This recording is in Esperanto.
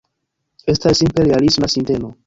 Estas simple realisma sinteno.